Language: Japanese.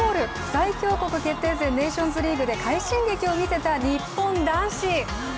最強国決定戦ネーションズリーグで快進撃を見せた日本男子。